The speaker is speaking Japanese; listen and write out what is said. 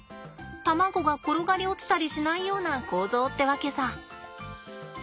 卵が転がり落ちたりしないような構造ってわけさ。